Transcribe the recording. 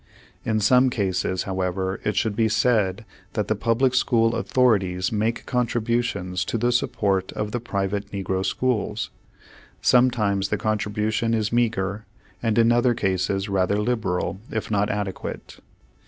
In some cases, however, it should be said that the public school authorities make contributions to the support of the private negro schools. Some times the contribution is meager, and in other cases rather liberal if not adequate.